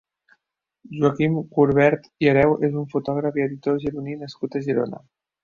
Joaquim Curbet i Hereu és un fotògraf i editor gironí nascut a Girona.